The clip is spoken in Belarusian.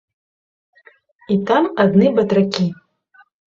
І там адны батракі.